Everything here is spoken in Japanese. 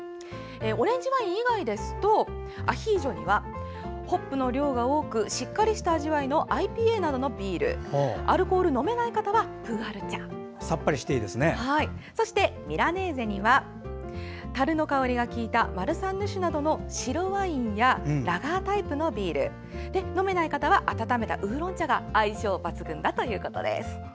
オレンジワイン以外ですとアヒージョにはホップの量が多くしっかりした味わいのＩＰＡなどのビールアルコールが飲めない方はプーアール茶ミラネーゼにはたるの香りが効いたマルサンヌ種などの白ワインやラガータイプのビール飲めない方は温めたウーロン茶が相性抜群だということです。